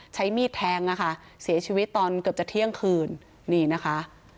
ใช้มีดแทงนะคะเสียชีวิตตอนเกือบจะเที่ยงคืนนี่นะคะ